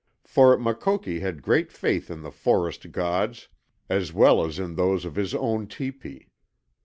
For Makoki had great faith in the forest gods as well as in those of his own tepee.